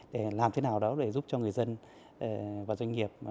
để làm thế nào đó để giúp cho người dân và doanh nghiệp